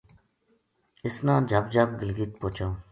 اس نا جھب جھب گلگلت پوہچاؤں